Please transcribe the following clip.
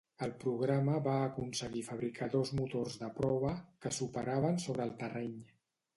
El programa va aconseguir fabricar dos motors de prova, que s'operaven sobre el terreny.